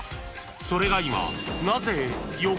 ［それが今］